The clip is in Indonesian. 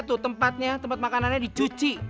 tuh tempatnya tempat makanannya dicuci